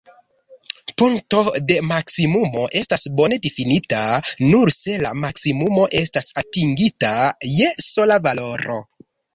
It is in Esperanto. Punkto de maksimumo estas bone-difinita nur se la maksimumo estas atingita je sola valoro.